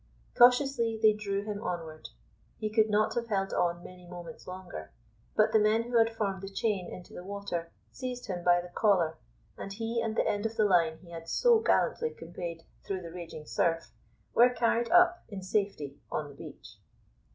Cautiously they drew him onward. He could not have held on many moments longer, but the men who had formed the chain into the water seized him by the collar, and he and the end of the line he had so gallantly conveyed through the raging surf were carried up in safety on the beach.